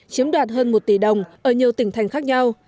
chiếm đoạt hơn một tỷ đồng ở nhiều tỉnh thành khác nhau